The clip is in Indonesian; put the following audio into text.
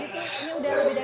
ya udah kalau gitu